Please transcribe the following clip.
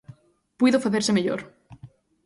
Puido facerse mellor.